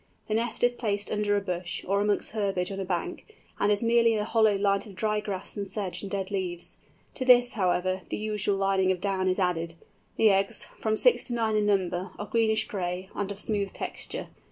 The nest is placed under a bush, or amongst herbage on a bank, and is merely a hollow lined with dry grass and sedge and dead leaves. To this, however, the usual lining of down is added. The eggs, from six to nine in number, are greenish gray, and of smooth texture.